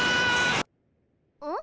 うん？